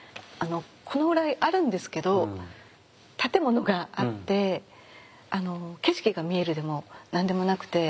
このぐらいあるんですけど建物があって景色が見えるでも何でもなくて。